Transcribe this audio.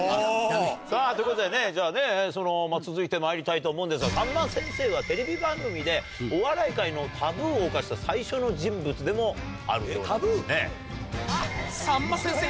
さぁということでねじゃあね続いてまいりたいと思うんですがさんま先生はテレビ番組でお笑い界のタブーを犯した最初の人物でもあるようなんです。